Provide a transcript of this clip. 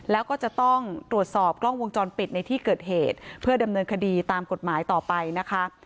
แล้วก็จะต้องตรวจสอบกล้องวงจรปิดในที่เกิดเหตุเพื่อดำเนินคดีตามกฎหมายต่อไปนะคะ